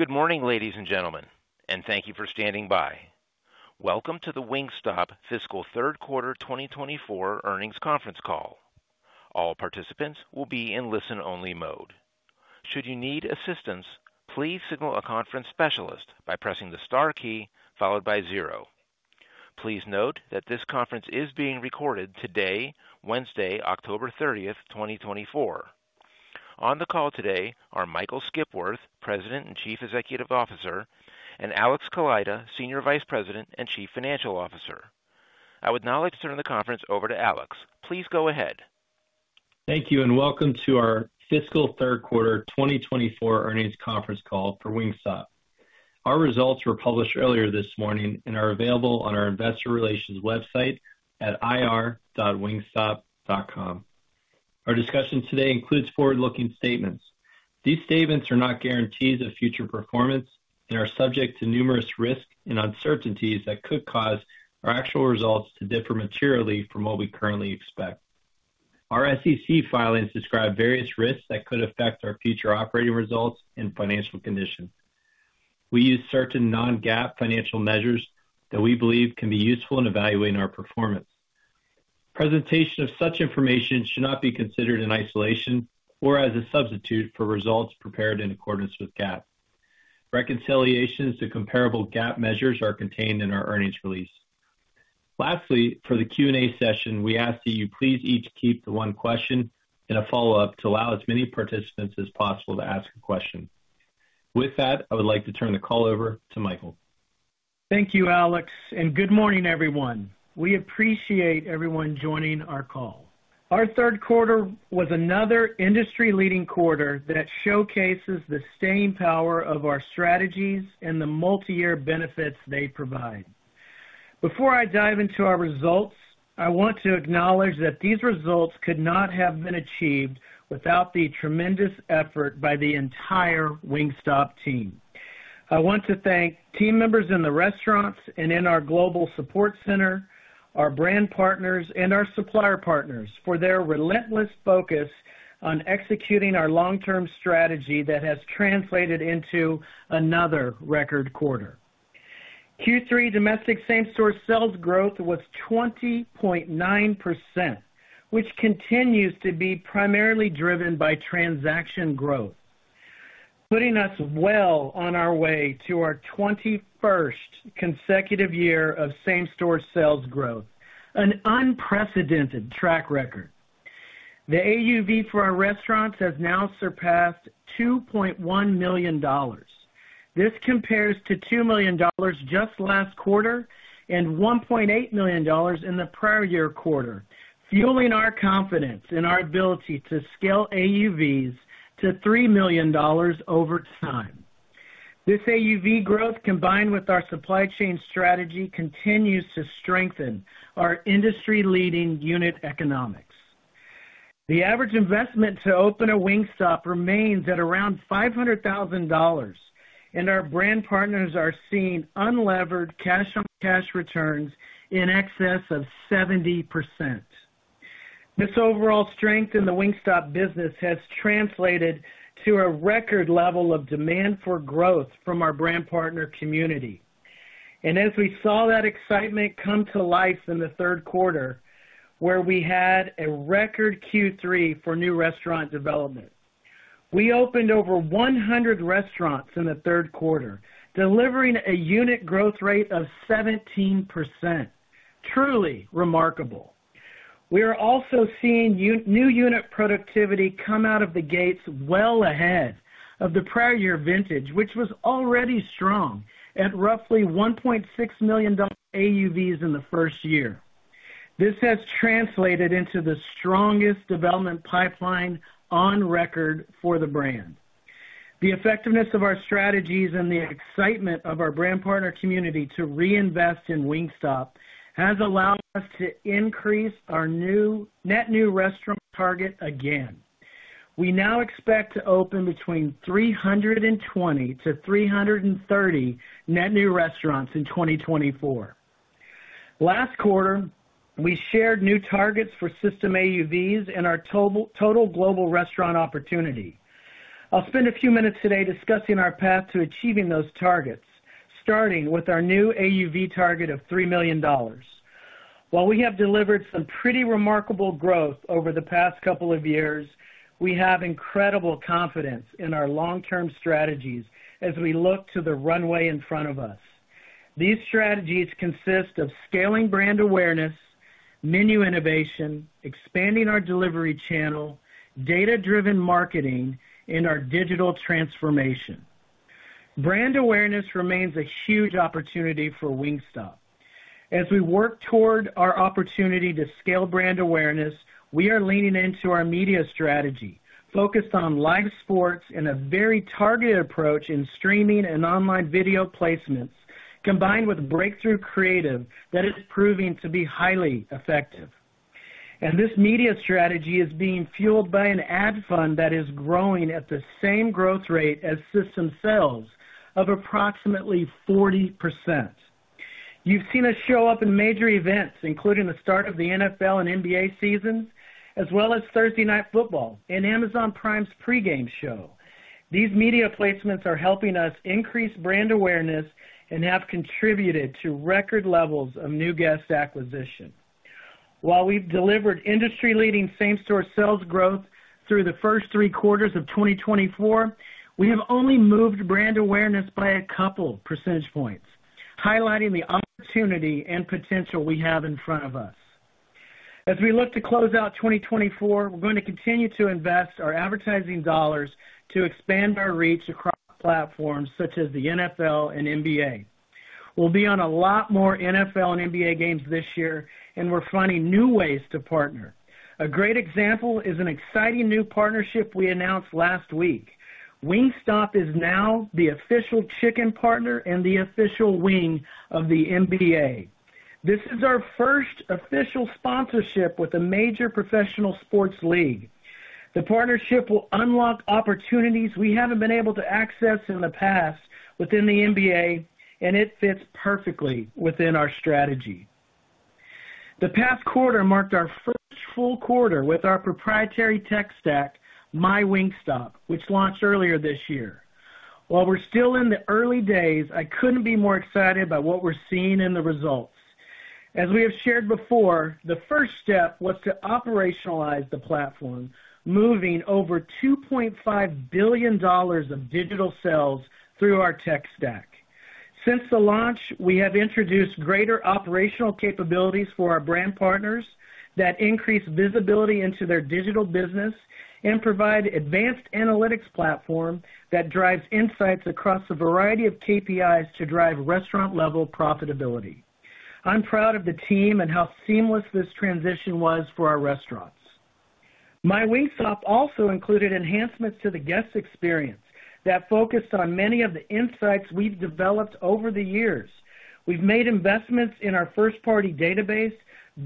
Good morning, ladies and gentlemen, and thank you for standing by. Welcome to the Wingstop Fiscal Third Quarter 2024 earnings conference call. All participants will be in listen-only mode. Should you need assistance, please signal a conference specialist by pressing the star key followed by zero. Please note that this conference is being recorded today, Wednesday, October 30th, 2024. On the call today are Michael Skipworth, President and Chief Executive Officer, and Alex Kaleida, Senior Vice President and Chief Financial Officer. I would now like to turn the conference over to Alex. Please go ahead. Thank you, and welcome to our Fiscal Third Quarter 2024 earnings conference call for Wingstop. Our results were published earlier this morning and are available on our Investor Relations website at ir.wingstop.com. Our discussion today includes forward-looking statements. These statements are not guarantees of future performance and are subject to numerous risks and uncertainties that could cause our actual results to differ materially from what we currently expect. Our SEC filings describe various risks that could affect our future operating results and financial condition. We use certain non-GAAP financial measures that we believe can be useful in evaluating our performance. Presentation of such information should not be considered in isolation or as a substitute for results prepared in accordance with GAAP. Reconciliations to comparable GAAP measures are contained in our earnings release. Lastly, for the Q&A session, we ask that you please each keep the one question and a follow-up to allow as many participants as possible to ask a question. With that, I would like to turn the call over to Michael. Thank you, Alex, and good morning, everyone. We appreciate everyone joining our call. Our third quarter was another industry-leading quarter that showcases the staying power of our strategies and the multi-year benefits they provide. Before I dive into our results, I want to acknowledge that these results could not have been achieved without the tremendous effort by the entire Wingstop team. I want to thank team members in the restaurants and in our Global Support Center, our brand partners, and our supplier partners for their relentless focus on executing our long-term strategy that has translated into another record quarter. Q3 domestic same-store sales growth was 20.9%, which continues to be primarily driven by transaction growth, putting us well on our way to our 21st consecutive year of same-store sales growth, an unprecedented track record. The AUV for our restaurants has now surpassed $2.1 million. This compares to $2 million just last quarter and $1.8 million in the prior year quarter, fueling our confidence in our ability to scale AUVs to $3 million over time. This AUV growth, combined with our supply chain strategy, continues to strengthen our industry-leading unit economics. The average investment to open a Wingstop remains at around $500,000, and our brand partners are seeing unlevered cash-on-cash returns in excess of 70%. This overall strength in the Wingstop business has translated to a record level of demand for growth from our brand partner community. As we saw that excitement come to life in the third quarter, where we had a record Q3 for new restaurant development, we opened over 100 restaurants in the third quarter, delivering a unit growth rate of 17%. Truly remarkable. We are also seeing new unit productivity come out of the gates well ahead of the prior year vintage, which was already strong at roughly $1.6 million AUVs in the first year. This has translated into the strongest development pipeline on record for the brand. The effectiveness of our strategies and the excitement of our brand partner community to reinvest in Wingstop has allowed us to increase our net new restaurant target again. We now expect to open between 320 to 330 net new restaurants in 2024. Last quarter, we shared new targets for system AUVs and our total global restaurant opportunity. I'll spend a few minutes today discussing our path to achieving those targets, starting with our new AUV target of $3 million. While we have delivered some pretty remarkable growth over the past couple of years, we have incredible confidence in our long-term strategies as we look to the runway in front of us. These strategies consist of scaling brand awareness, menu innovation, expanding our delivery channel, data-driven marketing, and our digital transformation. Brand awareness remains a huge opportunity for Wingstop. As we work toward our opportunity to scale brand awareness, we are leaning into our media strategy, focused on live sports and a very targeted approach in streaming and online video placements, combined with breakthrough creative that is proving to be highly effective. And this media strategy is being fueled by an ad fund that is growing at the same growth rate as system sales of approximately 40%. You've seen us show up in major events, including the start of the NFL and NBA seasons, as well as Thursday Night Football and Amazon Prime's pregame show. These media placements are helping us increase brand awareness and have contributed to record levels of new guest acquisition. While we've delivered industry-leading same-store sales growth through the first three quarters of 2024, we have only moved brand awareness by a couple percentage points, highlighting the opportunity and potential we have in front of us. As we look to close out 2024, we're going to continue to invest our advertising dollars to expand our reach across platforms such as the NFL and NBA. We'll be on a lot more NFL and NBA games this year, and we're finding new ways to partner. A great example is an exciting new partnership we announced last week. Wingstop is now the official chicken partner and the official wing of the NBA. This is our first official sponsorship with a major professional sports league. The partnership will unlock opportunities we haven't been able to access in the past within the NBA, and it fits perfectly within our strategy. The past quarter marked our first full quarter with our proprietary tech stack, MyWingstop, which launched earlier this year. While we're still in the early days, I couldn't be more excited by what we're seeing in the results. As we have shared before, the first step was to operationalize the platform, moving over $2.5 billion of digital sales through our tech stack. Since the launch, we have introduced greater operational capabilities for our brand partners that increase visibility into their digital business and provide an advanced analytics platform that drives insights across a variety of KPIs to drive restaurant-level profitability. I'm proud of the team and how seamless this transition was for our restaurants. MyWingstop also included enhancements to the guest experience that focused on many of the insights we've developed over the years. We've made investments in our first-party database,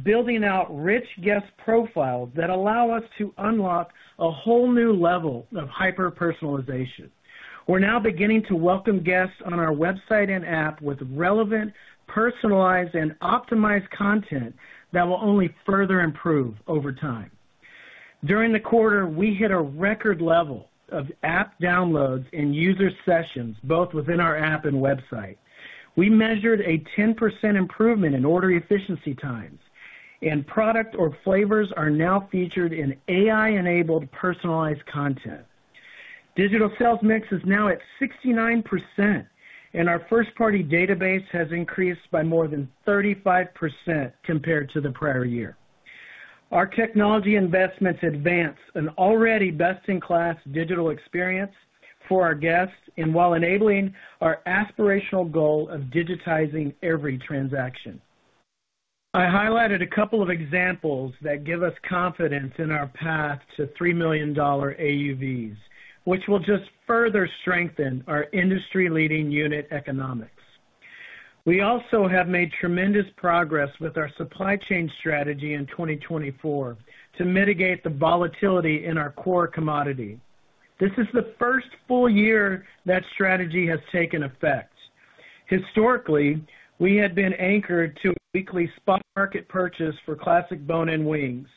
building out rich guest profiles that allow us to unlock a whole new level of hyper-personalization. We're now beginning to welcome guests on our website and app with relevant, personalized, and optimized content that will only further improve over time. During the quarter, we hit a record level of app downloads and user sessions, both within our app and website. We measured a 10% improvement in order efficiency times, and product or flavors are now featured in AI-enabled personalized content. Digital sales mix is now at 69%, and our first-party database has increased by more than 35% compared to the prior year. Our technology investments advance an already best-in-class digital experience for our guests while enabling our aspirational goal of digitizing every transaction. I highlighted a couple of examples that give us confidence in our path to $3 million AUVs, which will just further strengthen our industry-leading unit economics. We also have made tremendous progress with our supply chain strategy in 2024 to mitigate the volatility in our core commodity. This is the first full year that strategy has taken effect. Historically, we had been anchored to a weekly spot market purchase for classic bone-in wings,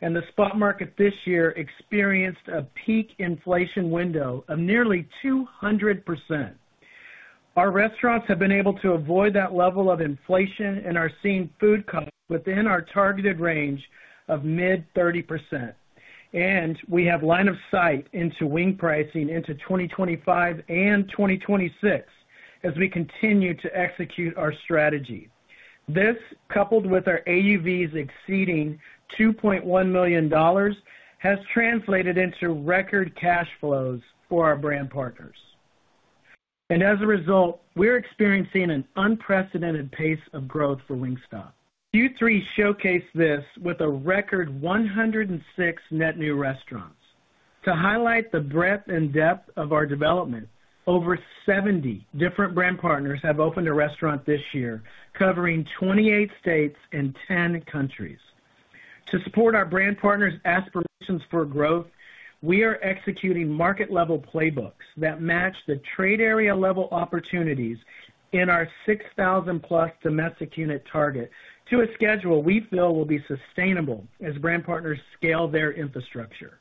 and the spot market this year experienced a peak inflation window of nearly 200%. Our restaurants have been able to avoid that level of inflation and are seeing food costs within our targeted range of mid-30%. And we have line of sight into wing pricing into 2025 and 2026 as we continue to execute our strategy. This, coupled with our AUVs exceeding $2.1 million, has translated into record cash flows for our brand partners. And as a result, we're experiencing an unprecedented pace of growth for Wingstop. Q3 showcased this with a record 106 net new restaurants. To highlight the breadth and depth of our development, over 70 different brand partners have opened a restaurant this year, covering 28 states and 10 countries. To support our brand partners' aspirations for growth, we are executing market-level playbooks that match the trade area-level opportunities in our 6,000+ domestic unit target to a schedule we feel will be sustainable as brand partners scale their infrastructure.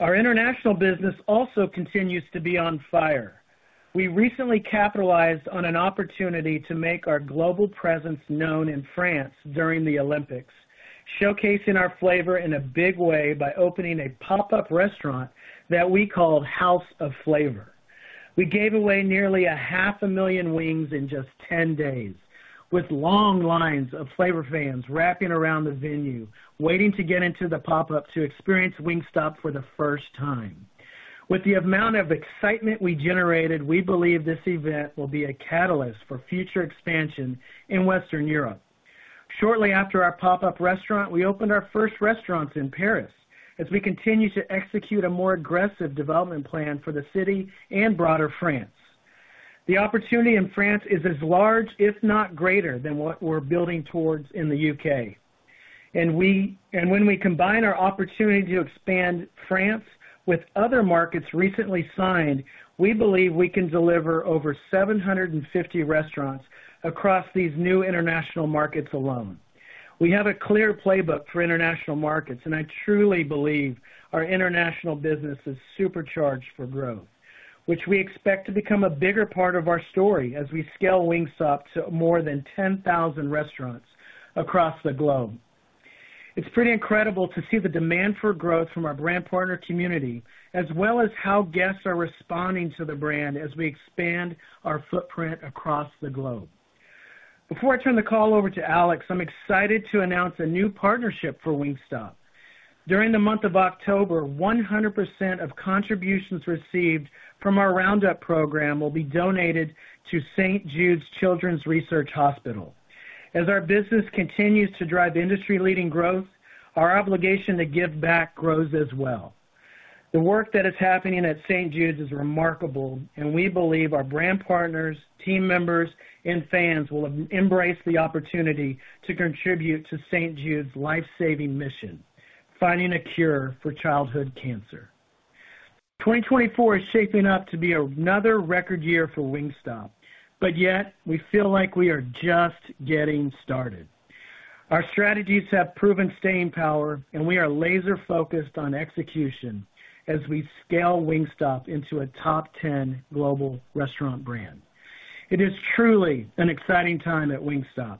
Our international business also continues to be on fire. We recently capitalized on an opportunity to make our global presence known in France during the Olympics, showcasing our flavor in a big way by opening a pop-up restaurant that we called House of Flavor. We gave away nearly 500,000 wings in just 10 days, with long lines of flavor fans wrapping around the venue, waiting to get into the pop-up to experience Wingstop for the first time. With the amount of excitement we generated, we believe this event will be a catalyst for future expansion in Western Europe. Shortly after our pop-up restaurant, we opened our first restaurants in Paris as we continue to execute a more aggressive development plan for the city and broader France. The opportunity in France is as large, if not greater, than what we're building towards in the U.K. When we combine our opportunity to expand France with other markets recently signed, we believe we can deliver over 750 restaurants across these new international markets alone. We have a clear playbook for international markets, and I truly believe our international business is supercharged for growth, which we expect to become a bigger part of our story as we scale Wingstop to more than 10,000 restaurants across the globe. It's pretty incredible to see the demand for growth from our brand partner community, as well as how guests are responding to the brand as we expand our footprint across the globe. Before I turn the call over to Alex, I'm excited to announce a new partnership for Wingstop. During the month of October, 100% of contributions received from our Round-Up program will be donated to St. Jude Children's Research Hospital. As our business continues to drive industry-leading growth, our obligation to give back grows as well. The work that is happening at St. Jude's is remarkable, and we believe our brand partners, team members, and fans will embrace the opportunity to contribute to St. Jude's lifesaving mission, finding a cure for childhood cancer. 2024 is shaping up to be another record year for Wingstop, but yet we feel like we are just getting started. Our strategies have proven staying power, and we are laser-focused on execution as we scale Wingstop into a top 10 global restaurant brand. It is truly an exciting time at Wingstop.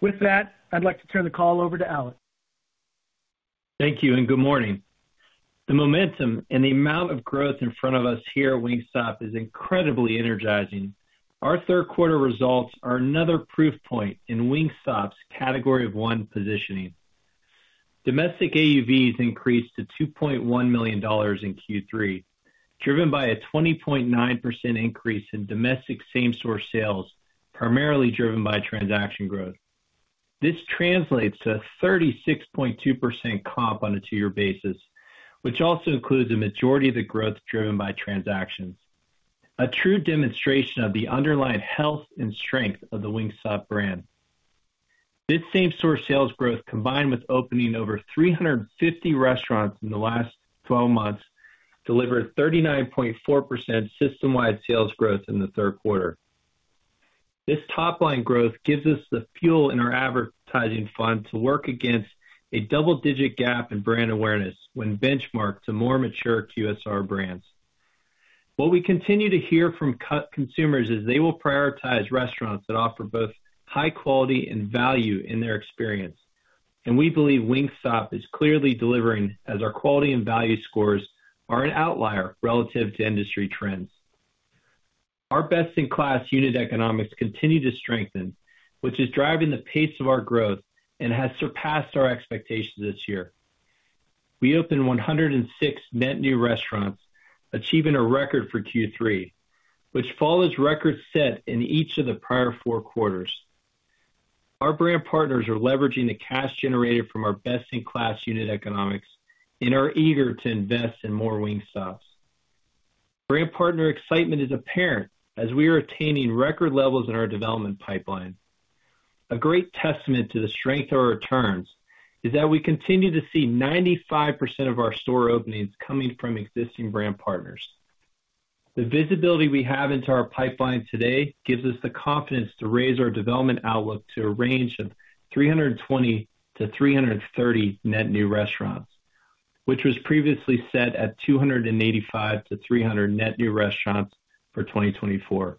With that, I'd like to turn the call over to Alex. Thank you, and good morning. The momentum and the amount of growth in front of us here at Wingstop is incredibly energizing. Our third-quarter results are another proof point in Wingstop's category of one positioning. Domestic AUVs increased to $2.1 million in Q3, driven by a 20.9% increase in domestic same-store sales, primarily driven by transaction growth. This translates to a 36.2% comp on a two-year basis, which also includes a majority of the growth driven by transactions. A true demonstration of the underlying health and strength of the Wingstop brand. This same-store sales growth, combined with opening over 350 restaurants in the last 12 months, delivered 39.4% system-wide sales growth in the third quarter. This top-line growth gives us the fuel in our advertising fund to work against a double-digit gap in brand awareness when benchmarked to more mature QSR brands. What we continue to hear from consumers is they will prioritize restaurants that offer both high quality and value in their experience. We believe Wingstop is clearly delivering as our quality and value scores are an outlier relative to industry trends. Our best-in-class unit economics continue to strengthen, which is driving the pace of our growth and has surpassed our expectations this year. We opened 106 net new restaurants, achieving a record for Q3, which follows records set in each of the prior four quarters. Our brand partners are leveraging the cash generated from our best-in-class unit economics and are eager to invest in more Wingstops. Brand partner excitement is apparent as we are attaining record levels in our development pipeline. A great testament to the strength of our returns is that we continue to see 95% of our store openings coming from existing brand partners. The visibility we have into our pipeline today gives us the confidence to raise our development outlook to a range of 320-330 net new restaurants, which was previously set at 285-300 net new restaurants for 2024.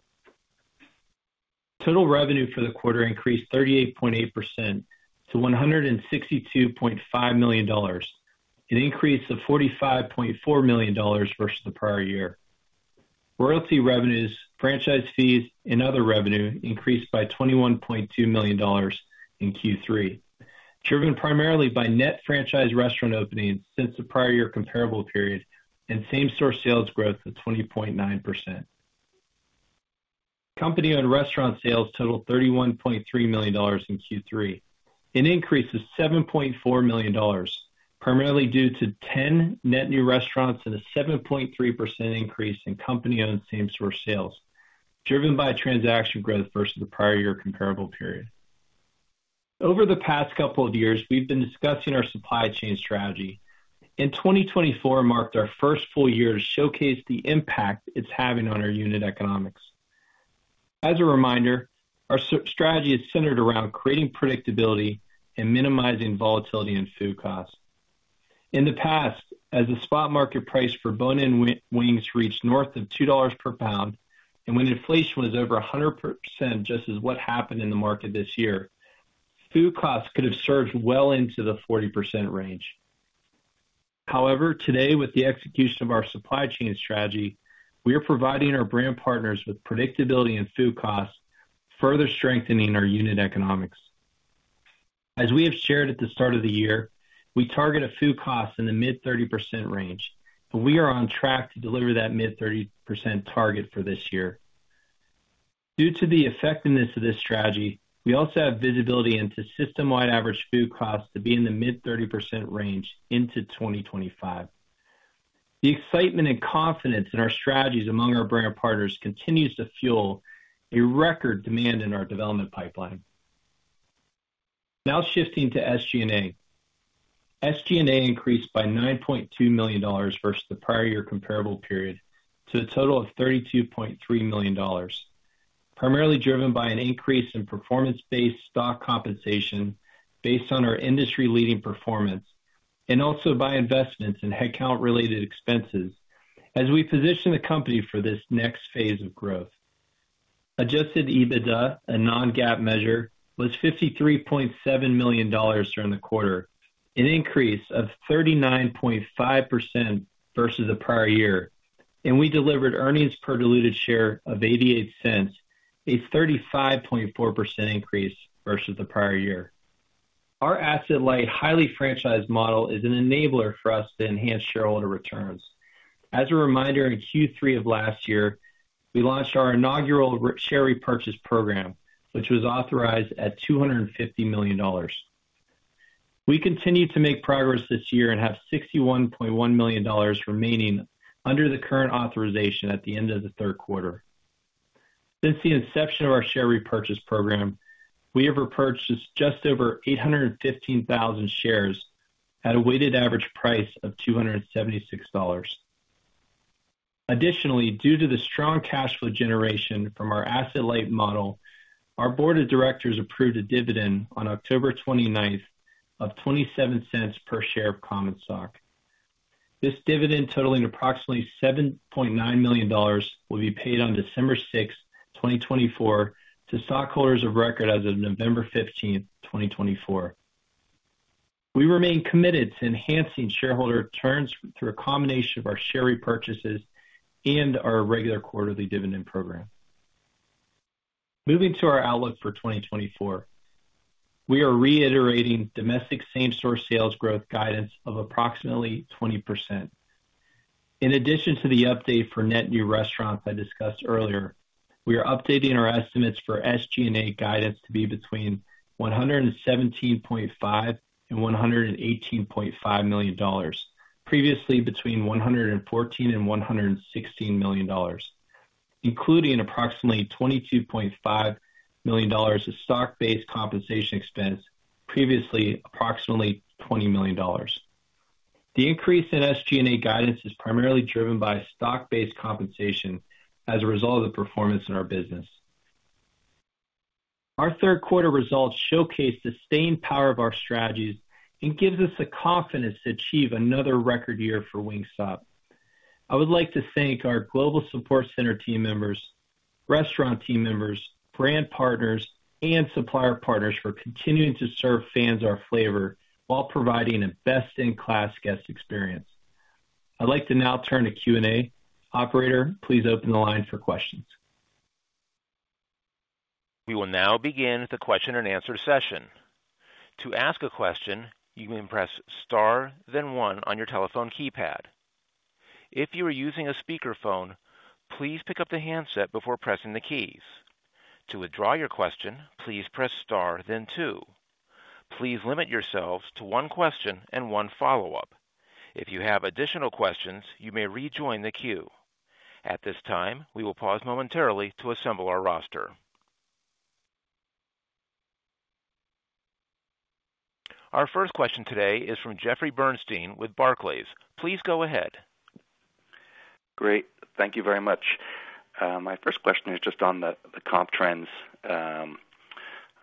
Total revenue for the quarter increased 38.8% to $162.5 million, an increase of $45.4 million versus the prior year. Royalty revenues, franchise fees, and other revenue increased by $21.2 million in Q3, driven primarily by net franchise restaurant openings since the prior year comparable period and same-store sales growth of 20.9%. Company-owned restaurant sales totaled $31.3 million in Q3, an increase of $7.4 million, primarily due to 10 net new restaurants and a 7.3% increase in company-owned same-store sales, driven by transaction growth versus the prior year comparable period. Over the past couple of years, we've been discussing our supply chain strategy. 2024 marked our first full year to showcase the impact it's having on our unit economics. As a reminder, our strategy is centered around creating predictability and minimizing volatility in food costs. In the past, as the spot market price for bone-in wings reached north of $2 per pound, and when inflation was over 100%, just as what happened in the market this year, food costs could have surged well into the 40% range. However, today, with the execution of our supply chain strategy, we are providing our brand partners with predictability in food costs, further strengthening our unit economics. As we have shared at the start of the year, we target a food cost in the mid-30% range, and we are on track to deliver that mid-30% target for this year. Due to the effectiveness of this strategy, we also have visibility into system-wide average food costs to be in the mid-30% range into 2025. The excitement and confidence in our strategies among our brand partners continues to fuel a record demand in our development pipeline. Now shifting to SG&A. SG&A increased by $9.2 million versus the prior year comparable period to a total of $32.3 million, primarily driven by an increase in performance-based stock compensation based on our industry-leading performance, and also by investments in headcount-related expenses as we position the company for this next phase of growth. Adjusted EBITDA, a non-GAAP measure, was $53.7 million during the quarter, an increase of 39.5% versus the prior year. And we delivered earnings per diluted share of $0.88, a 35.4% increase versus the prior year. Our asset-light, highly franchised model is an enabler for us to enhance shareholder returns. As a reminder, in Q3 of last year, we launched our inaugural share repurchase program, which was authorized at $250 million. We continue to make progress this year and have $61.1 million remaining under the current authorization at the end of the third quarter. Since the inception of our share repurchase program, we have repurchased just over 815,000 shares at a weighted average price of $276. Additionally, due to the strong cash flow generation from our asset-light model, our board of directors approved a dividend on October 29th of $0.27 per share of common stock. This dividend, totaling approximately $7.9 million, will be paid on December 6th, 2024, to stockholders of record as of November 15th, 2024. We remain committed to enhancing shareholder returns through a combination of our share repurchases and our regular quarterly dividend program. Moving to our outlook for 2024, we are reiterating domestic same-store sales growth guidance of approximately 20%. In addition to the update for net new restaurants I discussed earlier, we are updating our estimates for SG&A guidance to be between $117.5 million-$118.5 million, previously between $114 million-$116 million, including approximately $22.5 million of stock-based compensation expense, previously approximately $20 million. The increase in SG&A guidance is primarily driven by stock-based compensation as a result of the performance in our business. Our third-quarter results showcase the staying power of our strategies and give us the confidence to achieve another record year for Wingstop. I would like to thank our Global Support Center team members, restaurant team members, brand partners, and supplier partners for continuing to serve fans our flavor while providing a best-in-class guest experience. I'd like to now turn to Q&A. Operator, please open the line for questions. We will now begin the question-and-answer session. To ask a question, you may press star, then one on your telephone keypad. If you are using a speakerphone, please pick up the handset before pressing the keys. To withdraw your question, please press star, then two. Please limit yourselves to one question and one follow-up. If you have additional questions, you may rejoin the queue. At this time, we will pause momentarily to assemble our roster. Our first question today is from Jeffrey Bernstein with Barclays. Please go ahead. Great. Thank you very much. My first question is just on the comp trends.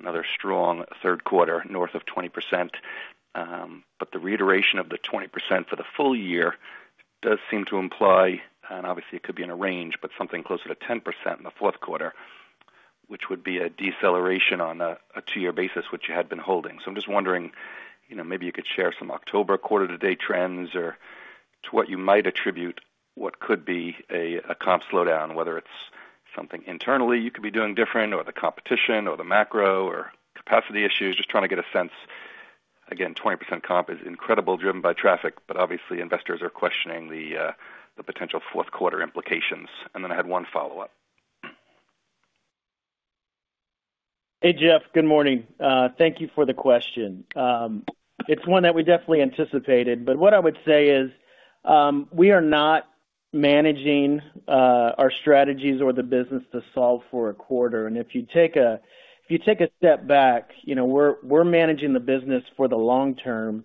Another strong third quarter, north of 20%, but the reiteration of the 20% for the full year does seem to imply, and obviously, it could be in a range, but something closer to 10% in the fourth quarter, which would be a deceleration on a two-year basis, which you had been holding. So I'm just wondering, maybe you could share some October quarter-to-date trends or to what you might attribute what could be a comp slowdown, whether it's something internally you could be doing different or the competition or the macro or capacity issues, just trying to get a sense. Again, 20% comp is incredible, driven by traffic, but obviously, investors are questioning the potential fourth-quarter implications. And then I had one follow-up. Hey, Jeff, good morning. Thank you for the question. It's one that we definitely anticipated, but what I would say is we are not managing our strategies or the business to solve for a quarter, and if you take a step back, we're managing the business for the long term,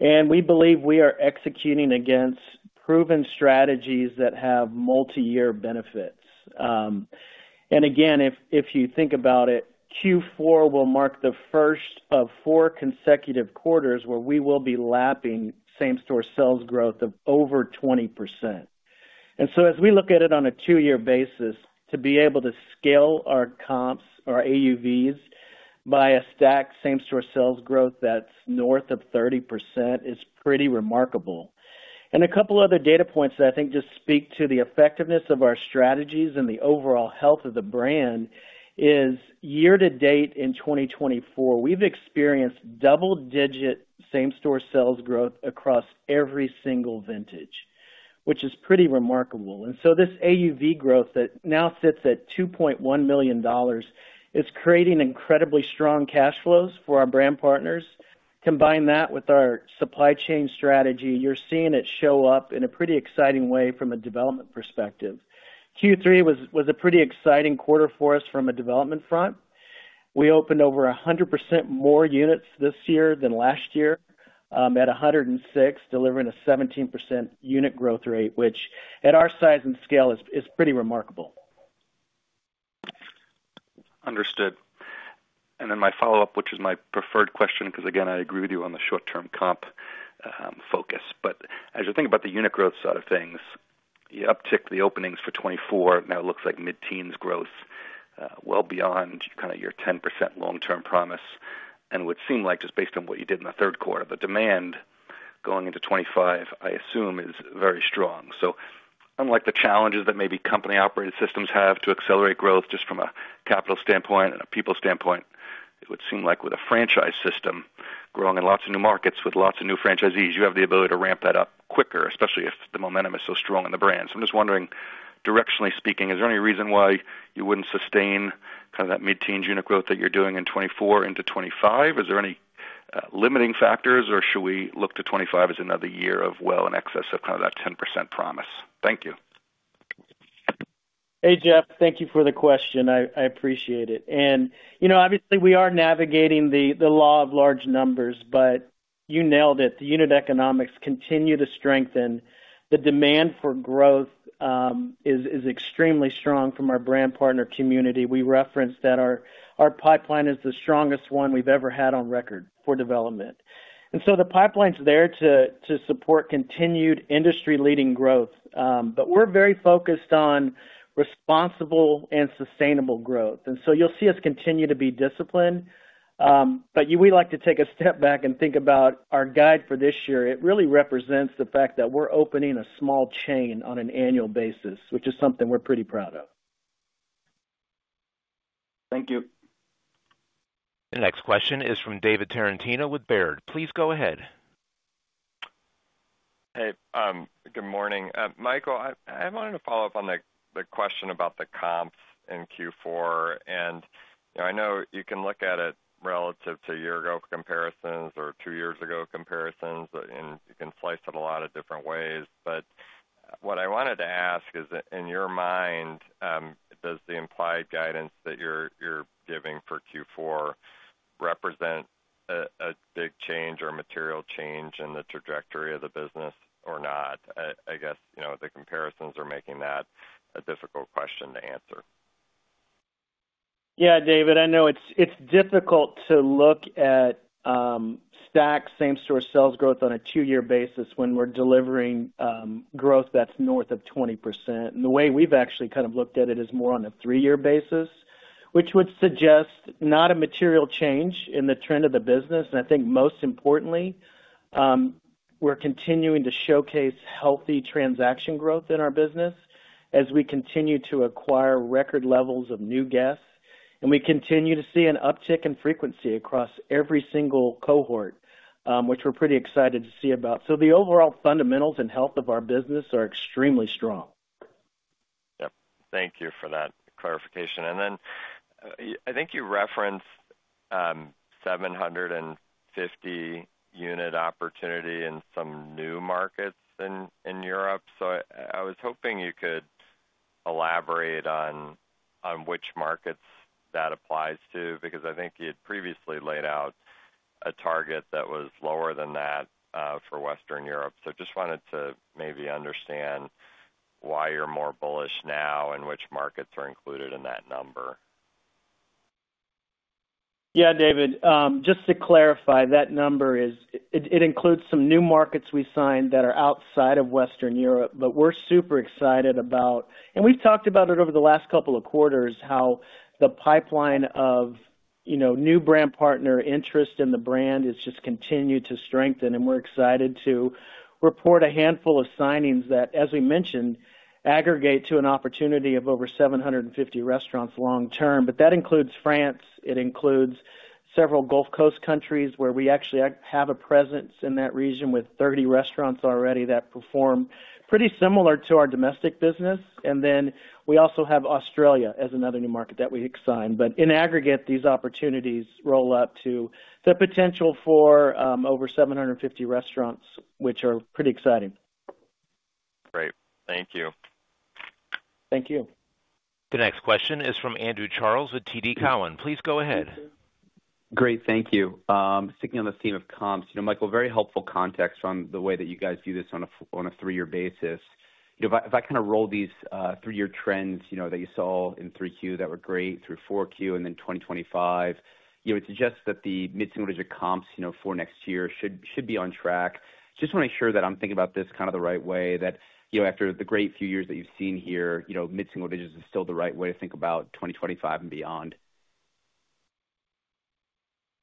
and we believe we are executing against proven strategies that have multi-year benefits, and again, if you think about it, Q4 will mark the first of four consecutive quarters where we will be lapping same-store sales growth of over 20%, and so as we look at it on a two-year basis, to be able to scale our comps, our AUVs by a stacked same-store sales growth that's north of 30% is pretty remarkable. A couple of other data points that I think just speak to the effectiveness of our strategies and the overall health of the brand, is year-to-date in 2024, we've experienced double-digit same-store sales growth across every single vintage, which is pretty remarkable. And so this AUV growth that now sits at $2.1 million is creating incredibly strong cash flows for our brand partners. Combine that with our supply chain strategy, you're seeing it show up in a pretty exciting way from a development perspective. Q3 was a pretty exciting quarter for us from a development front. We opened over 100% more units this year than last year at 106, delivering a 17% unit growth rate, which at our size and scale is pretty remarkable. Understood. And then my follow-up, which is my preferred question, because again, I agree with you on the short-term comp focus. But as you think about the unit growth side of things, you uptick the openings for 2024, now it looks like mid-teens growth well beyond kind of your 10% long-term promise. And it would seem like just based on what you did in the third quarter, the demand going into 2025, I assume, is very strong. So unlike the challenges that maybe company-operated systems have to accelerate growth just from a capital standpoint and a people standpoint, it would seem like with a franchise system growing in lots of new markets with lots of new franchisees, you have the ability to ramp that up quicker, especially if the momentum is so strong in the brand. So I'm just wondering, directionally speaking, is there any reason why you wouldn't sustain kind of that mid-teens unit growth that you're doing in 2024 into 2025? Is there any limiting factors, or should we look to 2025 as another year of well in excess of kind of that 10% promise? Thank you. Hey, Jeff, thank you for the question. I appreciate it. And obviously, we are navigating the law of large numbers, but you nailed it. The unit economics continue to strengthen. The demand for growth is extremely strong from our brand partner community. We referenced that our pipeline is the strongest one we've ever had on record for development. And so the pipeline's there to support continued industry-leading growth, but we're very focused on responsible and sustainable growth. And so you'll see us continue to be disciplined, but we'd like to take a step back and think about our guide for this year. It really represents the fact that we're opening small chain on an annual basis, which is something we're pretty proud of. Thank you. The next question is from David Tarantino with Baird. Please go ahead. Hey, good morning. Michael, I wanted to follow-up on the question about the comps in Q4. And I know you can look at it relative to a year ago comparisons or two years ago comparisons, and you can slice it a lot of different ways. But what I wanted to ask is, in your mind, does the implied guidance that you're giving for Q4 represent a big change or material change in the trajectory of the business or not? I guess the comparisons are making that a difficult question to answer. Yeah, David, I know it's difficult to look at stacked same-store sales growth on a two-year basis when we're delivering growth that's north of 20%. And the way we've actually kind of looked at it is more on a three-year basis, which would suggest not a material change in the trend of the business. And I think most importantly, we're continuing to showcase healthy transaction growth in our business as we continue to acquire record levels of new guests. And we continue to see an uptick in frequency across every single cohort, which we're pretty excited to see about. So the overall fundamentals and health of our business are extremely strong. Yep. Thank you for that clarification. And then I think you referenced 750-unit opportunity in some new markets in Europe. So I was hoping you could elaborate on which markets that applies to because I think you had previously laid out a target that was lower than that for Western Europe. So just wanted to maybe understand why you're more bullish now and which markets are included in that number. Yeah, David. Just to clarify, that number, it includes some new markets we signed that are outside of Western Europe, but we're super excited about, and we've talked about it over the last couple of quarters, how the pipeline of new brand partner interest in the brand has just continued to strengthen. And we're excited to report a handful of signings that, as we mentioned, aggregate to an opportunity of over 750 restaurants long-term. But that includes France. It includes several Gulf Coast countries where we actually have a presence in that region with 30 restaurants already that perform pretty similar to our domestic business. And then we also have Australia as another new market that we signed. But in aggregate, these opportunities roll up to the potential for over 750 restaurants, which are pretty exciting. Great. Thank you. Thank you. The next question is from Andrew Charles with TD Cowen. Please go ahead. Great. Thank you. Sticking on the theme of comps, Michael, very helpful context on the way that you guys do this on a three-year basis. If I kind of roll these three-year trends that you saw in 3Q that were great through 4Q and then 2025, it suggests that the mid-single digit comps for next year should be on track. Just want to make sure that I'm thinking about this kind of the right way, that after the great few years that you've seen here, mid-single digits is still the right way to think about 2025 and beyond?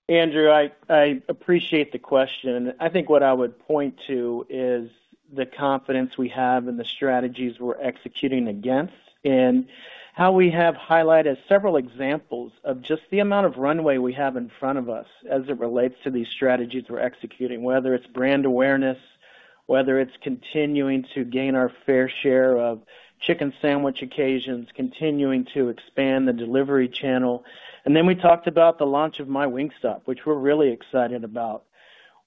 Andrew, I appreciate the question. I think what I would point to is the confidence we have in the strategies we're executing against and how we have highlighted several examples of just the amount of runway we have in front of us as it relates to these strategies we're executing, whether it's brand awareness, whether it's continuing to gain our fair share of chicken sandwich occasions, continuing to expand the delivery channel, and then we talked about the launch of MyWingstop, which we're really excited about.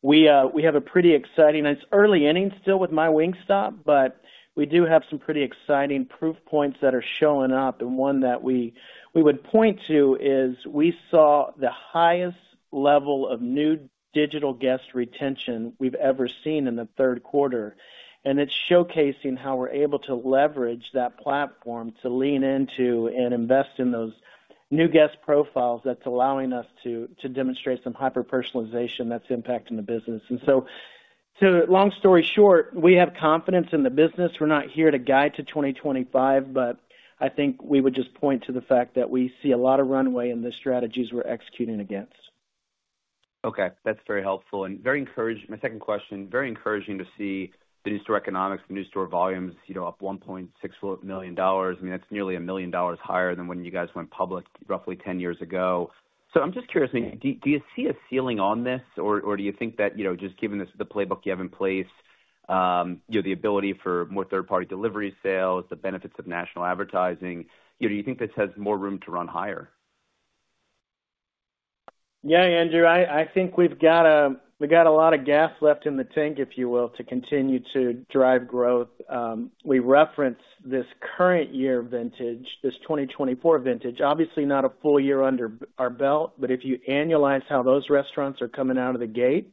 We have a pretty exciting, it's early inning still with My Wingstop, but we do have some pretty exciting proof points that are showing up, and one that we would point to is we saw the highest level of new digital guest retention we've ever seen in the third quarter. And it's showcasing how we're able to leverage that platform to lean into and invest in those new guest profiles that's allowing us to demonstrate some hyper-personalization that's impacting the business. And so long story short, we have confidence in the business. We're not here to guide to 2025, but I think we would just point to the fact that we see a lot of runway in the strategies we're executing against. Okay. That's very helpful and very encouraging. My second question, very encouraging to see the new store economics, the new store volumes up $1.6 million. I mean, that's nearly a million dollars higher than when you guys went public roughly 10 years ago. So I'm just curious, do you see a ceiling on this, or do you think that just given the playbook you have in place, the ability for more third-party delivery sales, the benefits of national advertising, do you think this has more room to run higher? Yeah, Andrew, I think we've got a lot of gas left in the tank, if you will, to continue to drive growth. We referenced this current year vintage, this 2024 vintage, obviously not a full year under our belt, but if you annualize how those restaurants are coming out of the gate,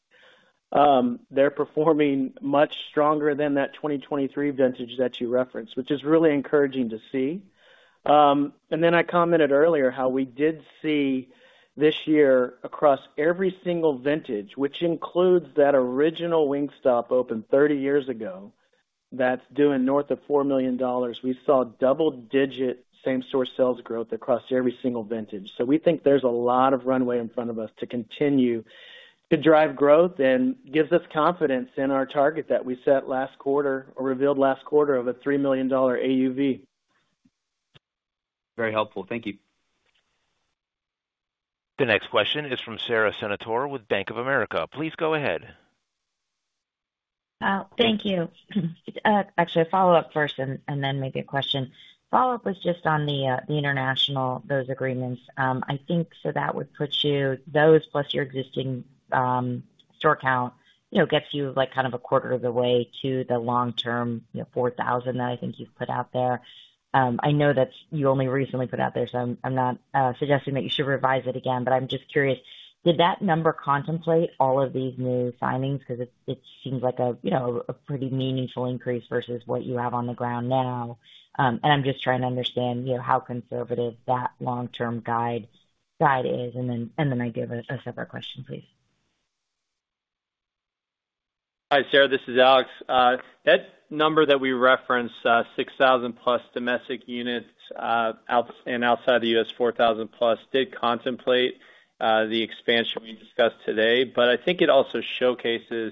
they're performing much stronger than that 2023 vintage that you referenced, which is really encouraging to see. And then I commented earlier how we did see this year across every single vintage, which includes that original Wingstop open 30 years ago that's doing north of $4 million. We saw double-digit same-store sales growth across every single vintage. So we think there's a lot of runway in front of us to continue to drive growth and gives us confidence in our target that we set last quarter or revealed last quarter of a $3 million AUV. Very helpful. Thank you. The next question is from Sara Senatore with Bank of America. Please go ahead. Thank you. Actually, a follow-up first and then maybe a question. Follow-up was just on the international, those agreements. I think so that would put you those plus your existing store count gets you kind of a quarter of the way to the long-term 4,000 that I think you've put out there. I know that you only recently put out there, so I'm not suggesting that you should revise it again, but I'm just curious, did that number contemplate all of these new signings? Because it seems like a pretty meaningful increase versus what you have on the ground now. And I'm just trying to understand how conservative that long-term guide is? And then I give a separate question, please. Hi, Sara, this is Alex. That number that we referenced, 6,000+ domestic units and outside the U.S., 4,000+, did contemplate the expansion we discussed today. But I think it also showcases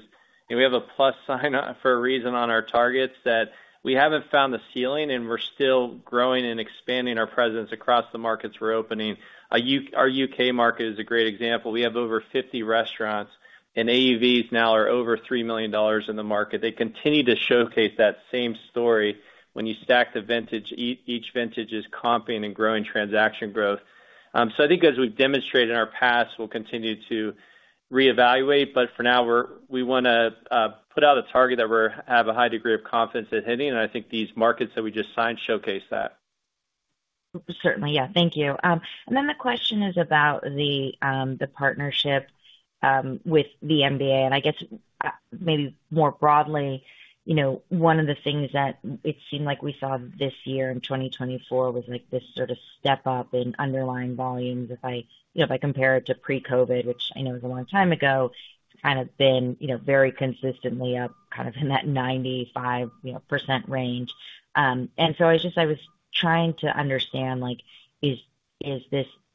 we have a plus sign for a reason on our targets that we haven't found the ceiling and we're still growing and expanding our presence across the markets we're opening. Our U.K. market is a great example. We have over 50 restaurants, and AUVs now are over $3 million in the market. They continue to showcase that same story when you stack the vintage, each vintage is comping and growing transaction growth. So I think as we've demonstrated in our past, we'll continue to reevaluate. But for now, we want to put out a target that we have a high degree of confidence at hitting. And I think these markets that we just signed showcase that. Certainly, yeah. Thank you. And then the question is about the partnership with the NBA. And I guess maybe more broadly, one of the things that it seemed like we saw this year in 2024 was this sort of step up in underlying volumes. If I compare it to pre-COVID, which I know is a long time ago, it's kind of been very consistently up kind of in that 95% range. And so I was just trying to understand,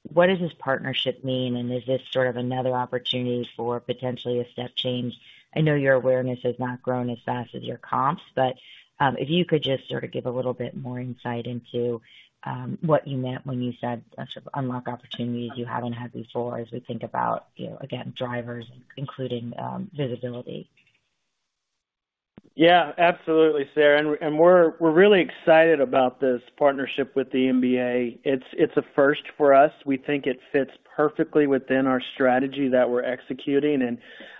what does this partnership mean, and is this sort of another opportunity for potentially a step change? I know your awareness has not grown as fast as your comps, but if you could just sort of give a little bit more insight into what you meant when you said sort of unlock opportunities you haven't had before as we think about, again, drivers, including visibility? Yeah, absolutely, Sarah. And we're really excited about this partnership with the NBA. It's a first for us. We think it fits perfectly within our strategy that we're executing. And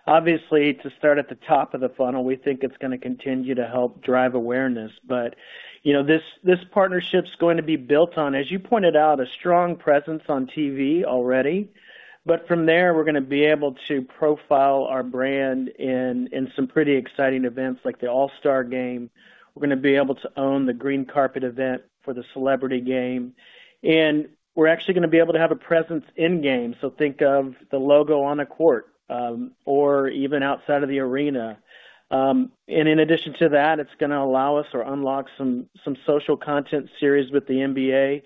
obviously, to start at the top of the funnel, we think it's going to continue to help drive awareness. But this partnership's going to be built on, as you pointed out, a strong presence on TV already. But from there, we're going to be able to profile our brand in some pretty exciting events like the All-Star Game. We're going to be able to own the green carpet event for the celebrity game. And we're actually going to be able to have a presence in-game. So think of the logo on a court or even outside of the arena. And in addition to that, it's going to allow us or unlock some social content series with the NBA,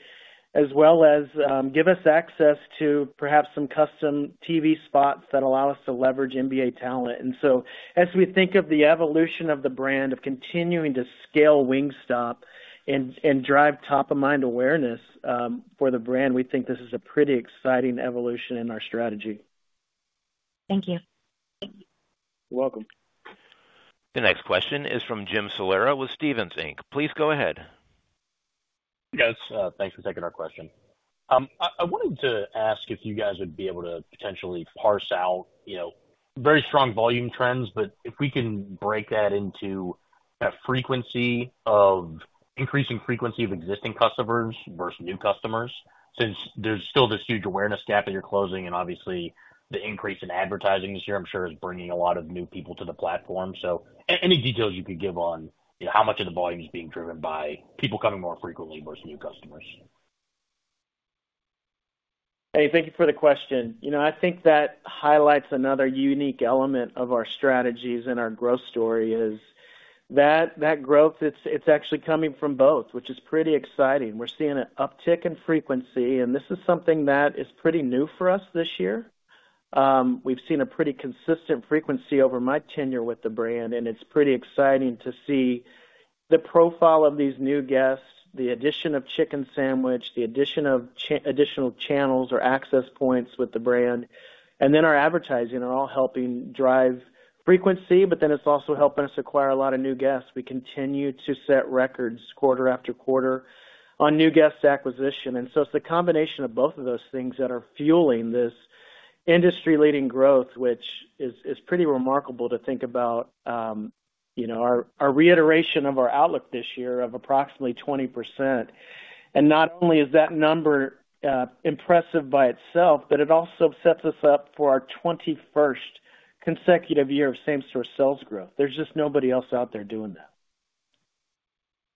as well as give us access to perhaps some custom TV spots that allow us to leverage NBA talent. And so as we think of the evolution of the brand of continuing to scale Wingstop and drive top-of-mind awareness for the brand, we think this is a pretty exciting evolution in our strategy. Thank you. You're welcome. The next question is from Jim Salera with Stephens Inc. Please go ahead. Yes. Thanks for taking our question. I wanted to ask if you guys would be able to potentially parse out very strong volume trends, but if we can break that into a frequency of increasing frequency of existing customers versus new customers, since there's still this huge awareness gap that you're closing, and obviously, the increase in advertising this year, I'm sure, is bringing a lot of new people to the platform. So any details you could give on how much of the volume is being driven by people coming more frequently versus new customers? Hey, thank you for the question. I think that highlights another unique element of our strategies and our growth story, is that growth, it's actually coming from both, which is pretty exciting. We're seeing an uptick in frequency, and this is something that is pretty new for us this year. We've seen a pretty consistent frequency over my tenure with the brand, and it's pretty exciting to see the profile of these new guests, the addition of chicken sandwich, the addition of additional channels or access points with the brand, and then our advertising are all helping drive frequency, but then it's also helping us acquire a lot of new guests. We continue to set records quarter after quarter on new guest acquisition. And so it's the combination of both of those things that are fueling this industry-leading growth, which is pretty remarkable to think about our reiteration of our outlook this year of approximately 20%. And not only is that number impressive by itself, but it also sets us up for our 21st consecutive year of same-store sales growth. There's just nobody else out there doing that.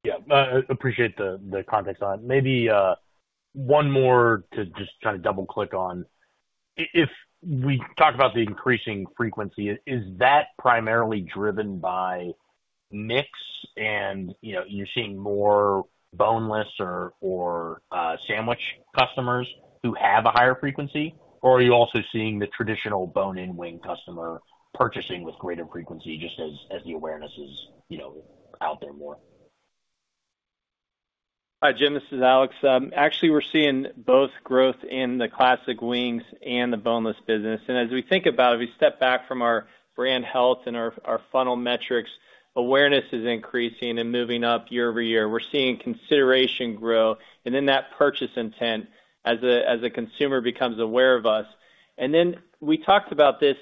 Yeah. Appreciate the context on it. Maybe one more to just kind of double-click on. If we talk about the increasing frequency, is that primarily driven by mix and you're seeing more boneless or sandwich customers who have a higher frequency, or are you also seeing the traditional bone-in wing customer purchasing with greater frequency just as the awareness is out there more? Hi, Jim. This is Alex. Actually, we're seeing both growth in the classic wings and the boneless business. And as we think about, if we step back from our brand health and our funnel metrics, awareness is increasing and moving up year-over-year. We're seeing consideration grow and then that purchase intent as a consumer becomes aware of us. And then we talked about this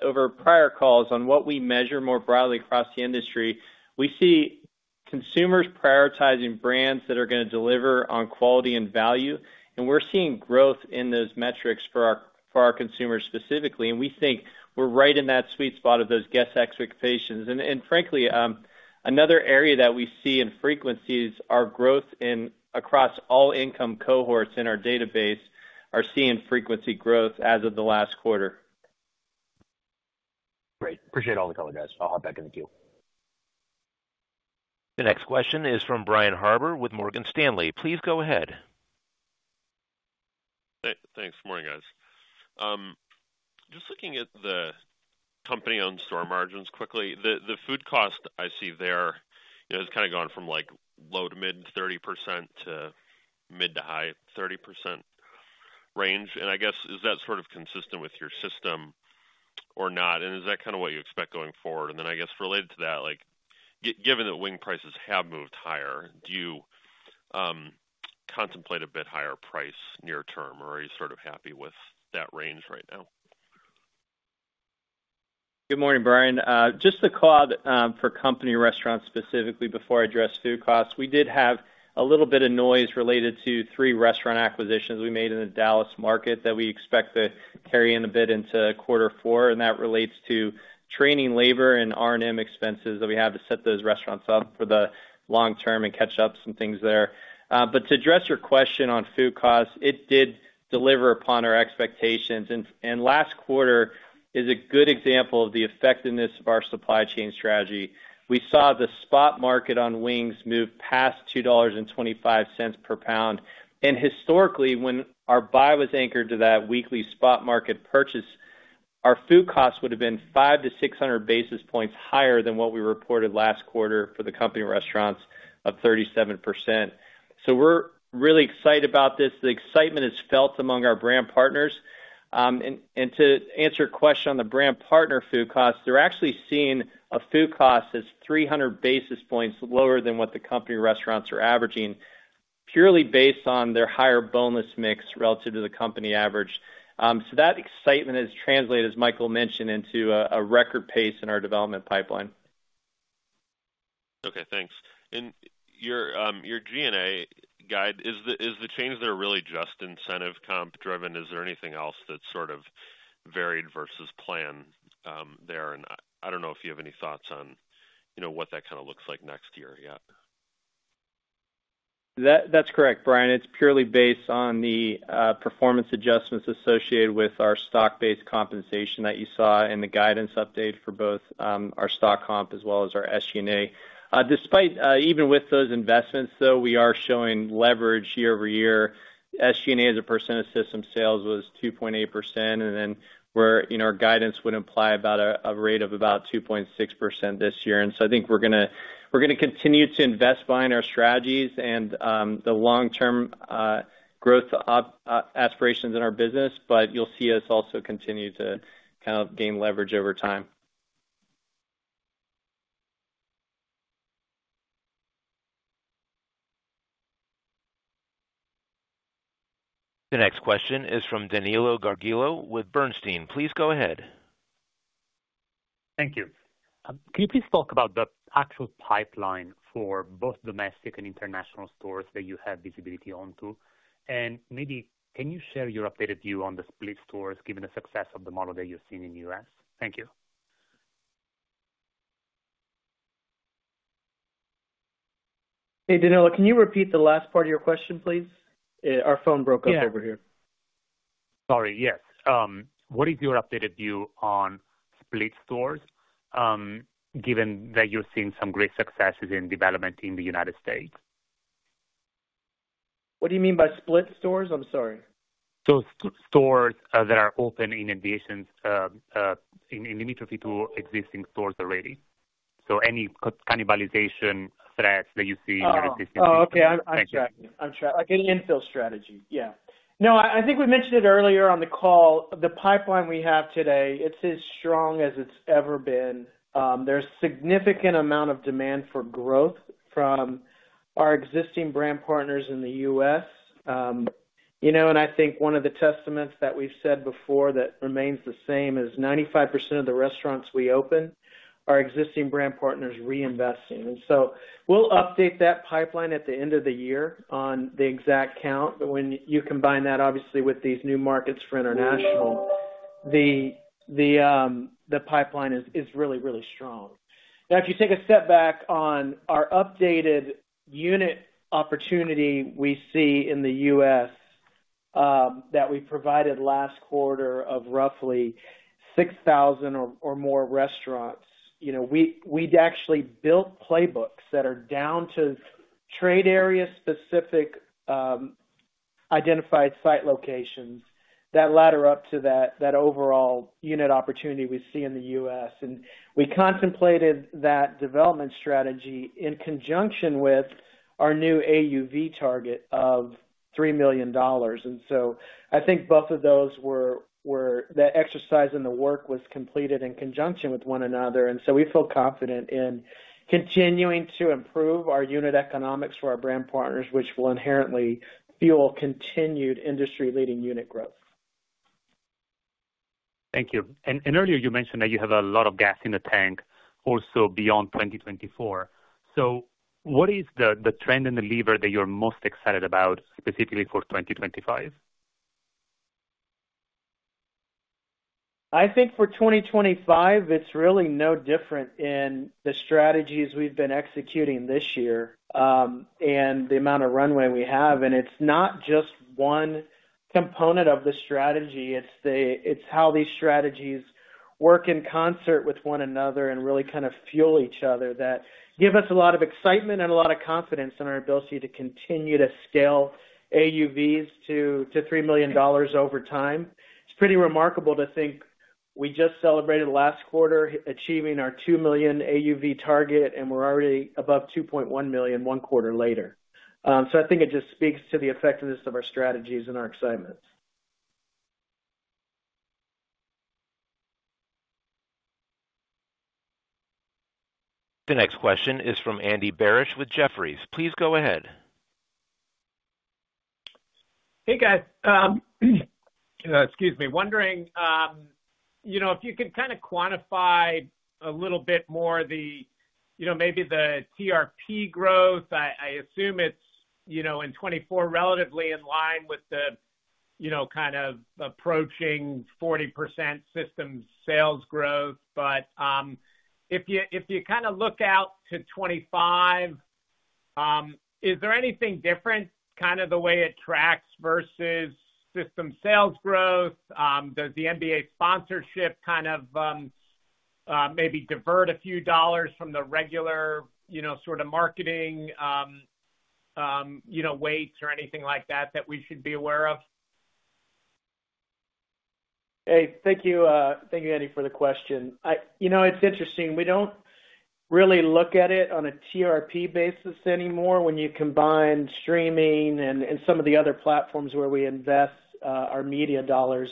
over prior calls on what we measure more broadly across the industry. We see consumers prioritizing brands that are going to deliver on quality and value, and we're seeing growth in those metrics for our consumers specifically. And we think we're right in that sweet spot of those guest expectations. And frankly, another area that we see in frequencies is our growth across all income cohorts in our database are seeing frequency growth as of the last quarter. Great. Appreciate all the color, guys. I'll hop back in the queue. The next question is from Brian Harbour with Morgan Stanley. Please go ahead. Thanks. Good morning, guys. Just looking at the company-owned store margins quickly, the food cost I see there has kind of gone from low to mid 30% to mid to high 30% range. And I guess, is that sort of consistent with your system or not? And is that kind of what you expect going forward? And then I guess related to that, given that wing prices have moved higher, do you contemplate a bit higher price near term, or are you sort of happy with that range right now? Good morning, Brian. Just the call for company restaurants specifically before I address food costs. We did have a little bit of noise related to three restaurant acquisitions we made in the Dallas market that we expect to carry in a bit into quarter four. And that relates to training labor and R&M expenses that we have to set those restaurants up for the long term and catch up some things there. But to address your question on food costs, it did deliver upon our expectations. And last quarter is a good example of the effectiveness of our supply chain strategy. We saw the spot market on wings move past $2.25 per pound. And historically, when our buy was anchored to that weekly spot market purchase, our food costs would have been 5-600 basis points higher than what we reported last quarter for the company restaurants of 37%. So we're really excited about this. The excitement is felt among our brand partners. And to answer your question on the brand partner food costs, they're actually seeing a food cost as 300 basis points lower than what the company restaurants are averaging, purely based on their higher boneless mix relative to the company average. So that excitement has translated, as Michael mentioned, into a record pace in our development pipeline. Okay. Thanks. And your G&A guide, is the change there really just incentive comp driven? Is there anything else that's sort of varied versus planned there? I don't know if you have any thoughts on what that kind of looks like next year yet? That's correct, Brian. It's purely based on the performance adjustments associated with our stock-based compensation that you saw in the guidance update for both our stock comp as well as our SG&A. Despite even with those investments, though, we are showing leverage year-over-year. SG&A as a percent of system sales was 2.8%. And then our guidance would imply about a rate of about 2.6% this year. And so I think we're going to continue to invest behind our strategies and the long-term growth aspirations in our business, but you'll see us also continue to kind of gain leverage over time. The next question is from Danilo Gargiulo with Bernstein. Please go ahead. Thank you. Can you please talk about the actual pipeline for both domestic and international stores that you have visibility onto? And maybe can you share your updated view on the split stores given the success of the model that you've seen in the U.S.? Thank you. Hey, Danilo, can you repeat the last part of your question, please? Our phone broke up over here. Sorry. Yes. What is your updated view on split stores given that you're seeing some great successes in development in the United States? What do you mean by split stores? I'm sorry. Those stores that are open in addition to existing stores already. So any cannibalization threats that you see in existing stores? Okay. I'm tracking. I'm tracking an infill strategy. Yeah. No, I think we mentioned it earlier on the call. The pipeline we have today, it's as strong as it's ever been. There's a significant amount of demand for growth from our existing brand partners in the U.S. And I think one of the testaments that we've said before that remains the same is 95% of the restaurants we open are existing brand partners reinvesting. And so we'll update that pipeline at the end of the year on the exact count. But when you combine that, obviously, with these new markets for international, the pipeline is really, really strong. Now, if you take a step back on our updated unit opportunity we see in the U.S. that we provided last quarter of roughly 6,000 or more restaurants, we'd actually built playbooks that are down to trade area-specific identified site locations that ladder up to that overall unit opportunity we see in the U.S. And we contemplated that development strategy in conjunction with our new AUV target of $3 million. And so I think both of those were the exercise and the work was completed in conjunction with one another. And so we feel confident in continuing to improve our unit economics for our brand partners, which will inherently fuel continued industry-leading unit growth. Thank you. And earlier, you mentioned that you have a lot of gas in the tank also beyond 2024. So what is the trend and the lever that you're most excited about specifically for 2025? I think for 2025, it's really no different in the strategies we've been executing this year and the amount of runway we have. And it's not just one component of the strategy. It's how these strategies work in concert with one another and really kind of fuel each other that give us a lot of excitement and a lot of confidence in our ability to continue to scale AUVs to $3 million over time. It's pretty remarkable to think we just celebrated last quarter achieving our $2 million AUV target, and we're already above $2.1 million one quarter later. So I think it just speaks to the effectiveness of our strategies and our excitement. The next question is from Andy Barish with Jefferies. Please go ahead. Hey, guys. Excuse me. Wondering if you could kind of quantify a little bit more the maybe the TRP growth. I assume it's in 2024 relatively in line with the kind of approaching 40% system sales growth. But if you kind of look out to 2025, is there anything different kind of the way it tracks versus system sales growth? Does the NBA sponsorship kind of maybe divert a few dollars from the regular sort of marketing weights or anything like that that we should be aware of? Hey, thank you, Andy, for the question. It's interesting. We don't really look at it on a TRP basis anymore. When you combine streaming and some of the other platforms where we invest our media dollars,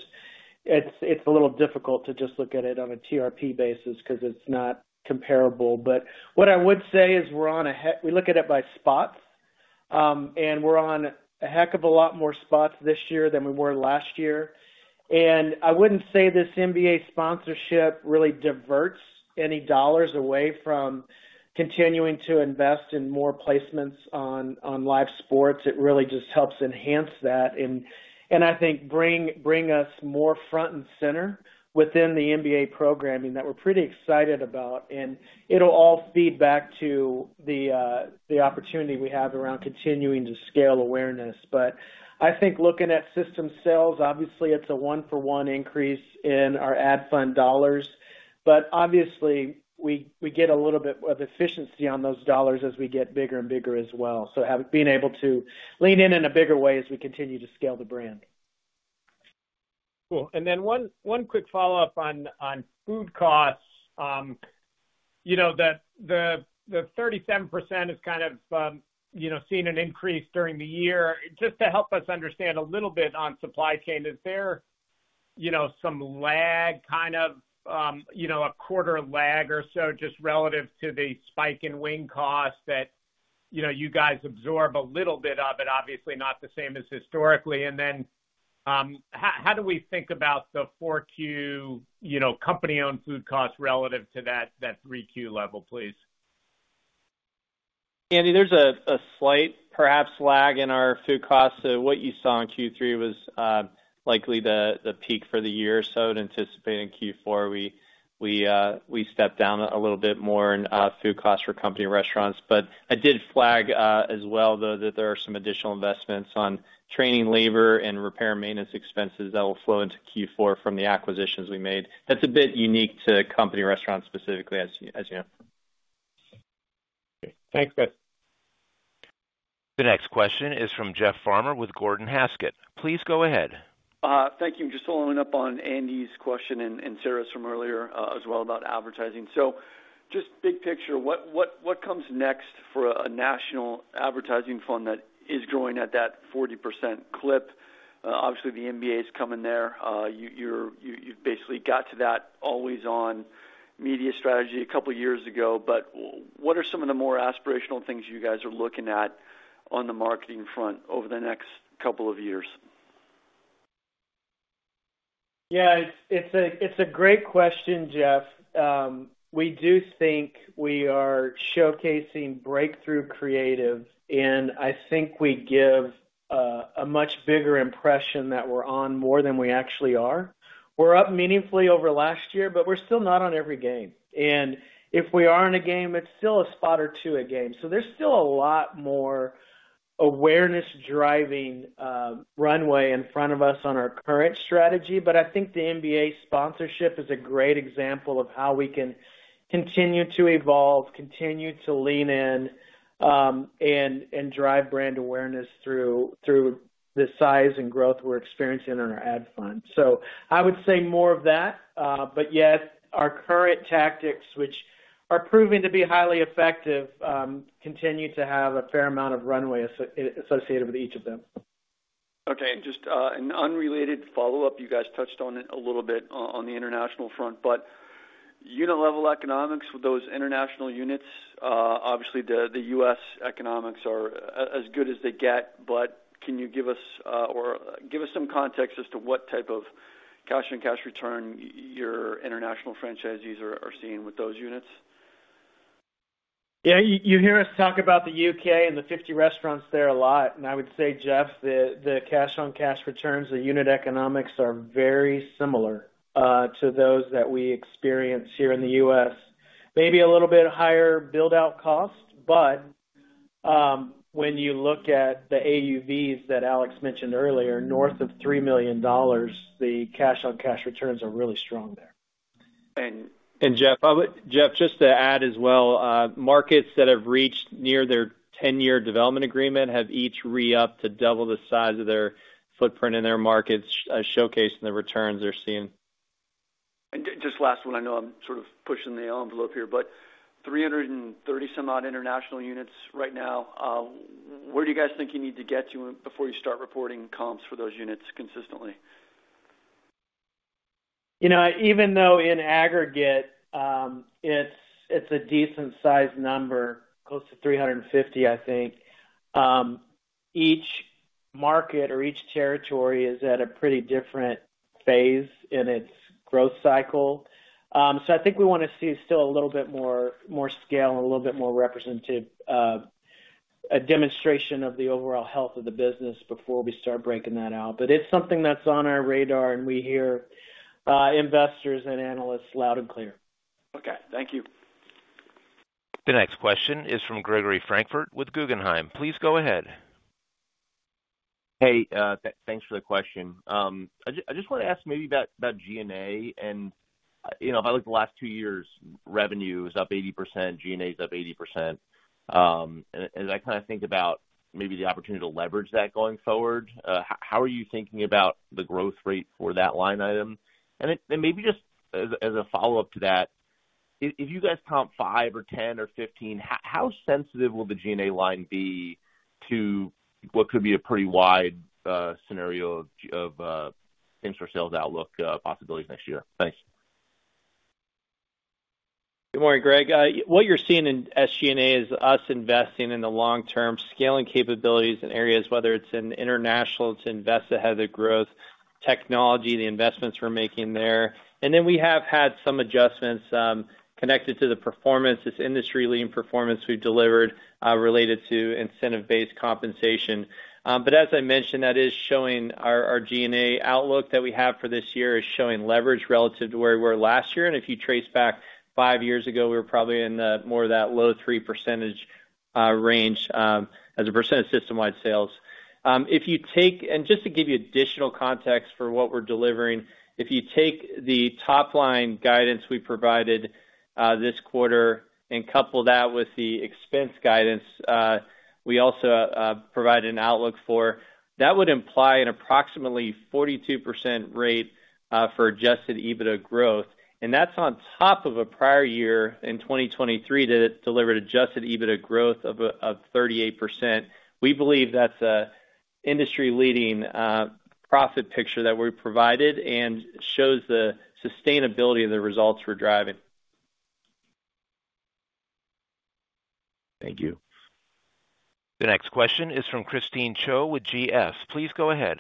it's a little difficult to just look at it on a TRP basis because it's not comparable. But what I would say is we're on a. We look at it by spots, and we're on a heck of a lot more spots this year than we were last year. And I wouldn't say this NBA sponsorship really diverts any dollars away from continuing to invest in more placements on live sports. It really just helps enhance that and I think bring us more front and center within the NBA programming that we're pretty excited about. And it'll all feed back to the opportunity we have around continuing to scale awareness. But I think looking at system sales, obviously, it's a one-for-one increase in our ad fund dollars. But obviously, we get a little bit of efficiency on those dollars as we get bigger and bigger as well. So being able to lean in in a bigger way as we continue to scale the brand. Cool. And then one quick follow-up on food costs. The 37% is kind of seeing an increase during the year. Just to help us understand a little bit on supply chain, is there some lag, kind of a quarter lag or so just relative to the spike in wing cost that you guys absorb a little bit of it, obviously not the same as historically? And then how do we think about the 4Q company-owned food costs relative to that 3Q level, please? Andy, there's a slight perhaps lag in our food costs. So what you saw in Q3 was likely the peak for the year. So in anticipating Q4, we stepped down a little bit more in food costs for company restaurants. But I did flag as well, though, that there are some additional investments on training labor and repair and maintenance expenses that will flow into Q4 from the acquisitions we made. That's a bit unique to company restaurants specifically, as you know. Thanks, guys. The next question is from Jeff Farmer with Gordon Haskett. Please go ahead. Thank you. Just following up on Andy's question and Sara's from earlier as well about advertising. So just big picture, what comes next for a national advertising fund that is growing at that 40% clip? Obviously, the NBA is coming there. You've basically got to that always-on media strategy a couple of years ago. But what are some of the more aspirational things you guys are looking at on the marketing front over the next couple of years? Yeah. It's a great question, Jeff. We do think we are showcasing breakthrough creative, and I think we give a much bigger impression that we're on more than we actually are. We're up meaningfully over last year, but we're still not on every game. And if we are in a game, it's still a spot or two a game. So there's still a lot more awareness-driving runway in front of us on our current strategy. But I think the NBA sponsorship is a great example of how we can continue to evolve, continue to lean in, and drive brand awareness through the size and growth we're experiencing on our ad fund. So I would say more of that. But yet, our current tactics, which are proving to be highly effective, continue to have a fair amount of runway associated with each of them. Okay. Just an unrelated follow-up. You guys touched on it a little bit on the international front. But unit-level economics with those international units, obviously, the U.S. economics are as good as they get. Can you give us some context as to what type of cash-on-cash return your international franchisees are seeing with those units? Yeah. You hear us talk about the U.K. and the 50 restaurants there a lot. And I would say, Jeff, the cash-on-cash returns, the unit economics are very similar to those that we experience here in the U.S. Maybe a little bit higher build-out cost. But when you look at the AUVs that Alex mentioned earlier, north of $3 million, the cash-on-cash returns are really strong there. And Jeff, just to add as well, markets that have reached near their 10-year development agreement have each re-upped to double the size of their footprint in their markets, showcasing the returns they're seeing. And just last one. I know I'm sort of pushing the envelope here, but 330-some-odd international units right now. Where do you guys think you need to get to before you start reporting comps for those units consistently? Even though in aggregate, it's a decent-sized number, close to 350, I think, each market or each territory is at a pretty different phase in its growth cycle. So I think we want to see still a little bit more scale and a little bit more representative demonstration of the overall health of the business before we start breaking that out. But it's something that's on our radar, and we hear investors and analysts loud and clear. Okay. Thank you. The next question is from Gregory Francfort with Guggenheim. Please go ahead. Hey, thanks for the question. I just want to ask maybe about G&A. And if I look at the last two years, revenue is up 80%, G&A is up 80%. And I kind of think about maybe the opportunity to leverage that going forward. How are you thinking about the growth rate for that line item? And maybe just as a follow-up to that, if you guys comp five or 10 or 15, how sensitive will the G&A line be to what could be a pretty wide scenario of things for sales outlook possibilities next year? Thanks. Good morning, Greg. What you're seeing in SG&A is us investing in the long-term scaling capabilities in areas, whether it's in international to invest ahead of the growth technology, the investments we're making there. And then we have had some adjustments connected to the performance, this industry-leading performance we've delivered related to incentive-based compensation. But as I mentioned, that is showing our G&A outlook that we have for this year is showing leverage relative to where we were last year. If you trace back five years ago, we were probably in more of that low 3% range as a percent of system-wide sales. Just to give you additional context for what we're delivering, if you take the top-line guidance we provided this quarter and couple that with the expense guidance we also provided an outlook for, that would imply an approximately 42% rate for adjusted EBITDA growth. That's on top of a prior year in 2023 that delivered adjusted EBITDA growth of 38%. We believe that's an industry-leading profit picture that we provided and shows the sustainability of the results we're driving. Thank you. The next question is from Christine Cho with GS. Please go ahead.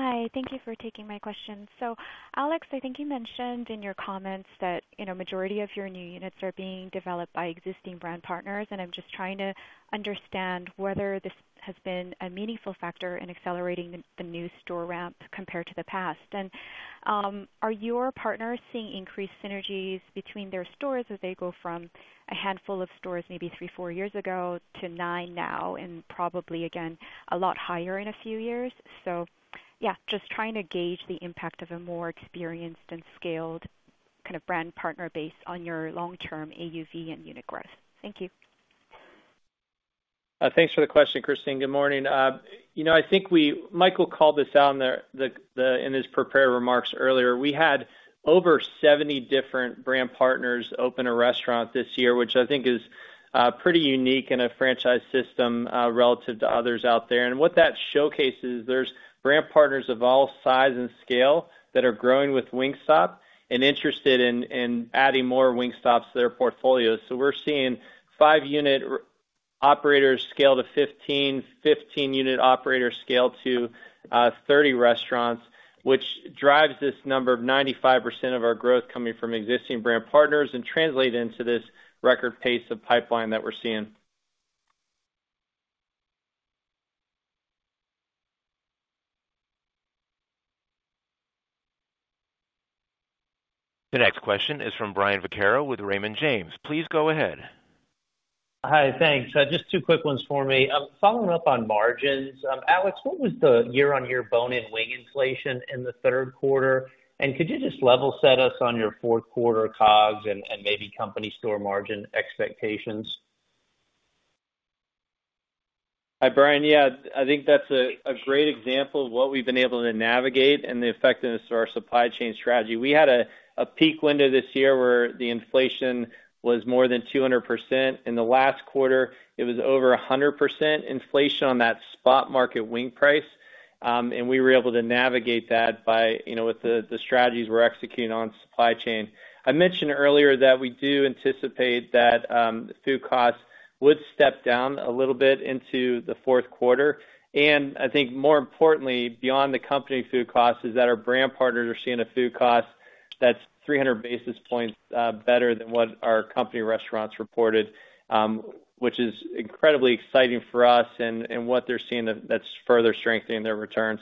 Hi. Thank you for taking my question. So Alex, I think you mentioned in your comments that the majority of your new units are being developed by existing brand partners. I'm just trying to understand whether this has been a meaningful factor in accelerating the new store ramp compared to the past. Are your partners seeing increased synergies between their stores as they go from a handful of stores maybe three, four years ago to nine now and probably, again, a lot higher in a few years? So yeah, just trying to gauge the impact of a more experienced and scaled kind of brand partner base on your long-term AUV and unit growth. Thank you. Thanks for the question, Christine. Good morning. I think Michael called this out in his prepared remarks earlier. We had over 70 different brand partners open a restaurant this year, which I think is pretty unique in a franchise system relative to others out there. What that showcases is there's brand partners of all size and scale that are growing with Wingstop and interested in adding more Wingstops to their portfolio. We're seeing five-unit operators scale to 15, 15-unit operators scale to 30 restaurants, which drives this number of 95% of our growth coming from existing brand partners and translate into this record pace of pipeline that we're seeing. The next question is from Brian Vaccaro with Raymond James. Please go ahead. Hi. Thanks. Just two quick ones for me. Following up on margins, Alex, what was the year-on-year bone-in wing inflation in the third quarter? And could you just level-set us on your fourth-quarter COGS and maybe company store margin expectations? Hi, Brian. Yeah. I think that's a great example of what we've been able to navigate and the effectiveness of our supply chain strategy. We had a peak window this year where the inflation was more than 200%. In the last quarter, it was over 100% inflation on that spot market wing price, and we were able to navigate that with the strategies we're executing on supply chain. I mentioned earlier that we do anticipate that food costs would step down a little bit into the fourth quarter, and I think more importantly, beyond the company food costs, is that our brand partners are seeing a food cost that's 300 basis points better than what our company restaurants reported, which is incredibly exciting for us and what they're seeing that's further strengthening their returns.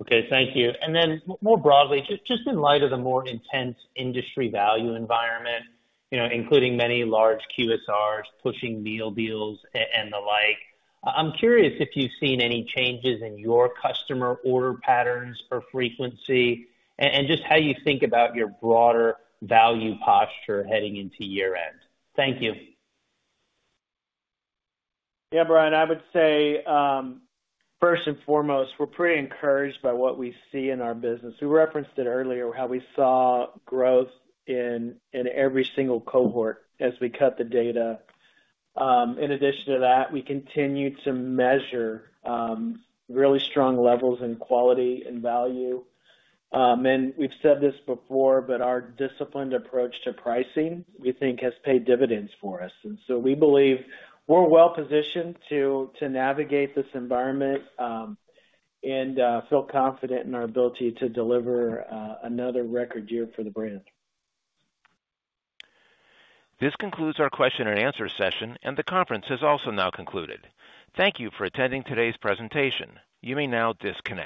Okay. Thank you. And then more broadly, just in light of the more intense industry value environment, including many large QSRs pushing meal deals and the like, I'm curious if you've seen any changes in your customer order patterns or frequency and just how you think about your broader value posture heading into year-end? Thank you. Yeah, Brian. I would say first and foremost, we're pretty encouraged by what we see in our business. We referenced it earlier, how we saw growth in every single cohort as we cut the data. In addition to that, we continue to measure really strong levels in quality and value. And we've said this before, but our disciplined approach to pricing, we think, has paid dividends for us. And so we believe we're well-positioned to navigate this environment and feel confident in our ability to deliver another record year for the brand. This concludes our question-and-answer session, and the conference has also now concluded. Thank you for attending today's presentation. You may now disconnect.